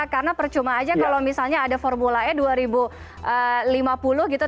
karena percuma aja kalau misalnya ada formula e dua ribu lima puluh gitu